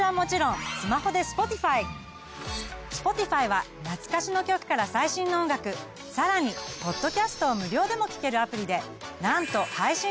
Ｓｐｏｔｉｆｙは懐かしの曲から最新の音楽さらにポッドキャストを無料でも聞けるアプリでなんと配信楽曲は邦楽含め８，０００万